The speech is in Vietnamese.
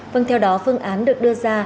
và phương án được đưa ra